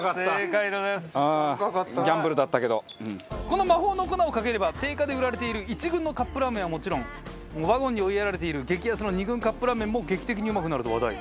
この魔法の粉をかければ定価で売られている１軍のカップラーメンはもちろんワゴンに追いやられている激安の２軍カップラーメンも劇的にうまくなると話題。